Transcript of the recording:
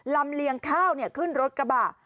ลำเลียงข้าวขึ้นรถกระบะ